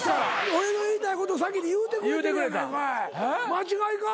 俺の言いたいことを先に言うてくれてるやないかい。